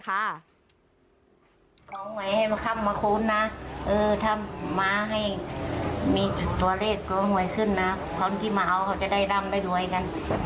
แต่พวกเราเผือกเราอย่ารู้เหตุเป็นเลขอะไรถามคุณป้าหน่อยค่ะ